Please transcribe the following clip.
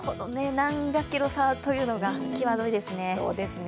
何百キロ差というのが、際どいですね。